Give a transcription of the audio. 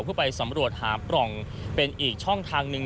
เพื่อไปสำรวจหาปล่องเป็นอีกช่องทางหนึ่ง